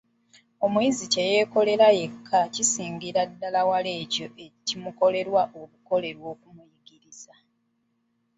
Omuyizi kye yeekolera yekka kisingira ddala wala ekyo ekimukolerwa obukolerwa omuyigiriza.